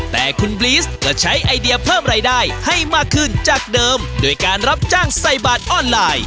แต่คุณบลีสก็ใช้ไอเดียเพิ่มรายได้ให้มากขึ้นจากเดิมด้วยการรับจ้างใส่บาทออนไลน์